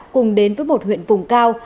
cùng đến với một huyện vùng cao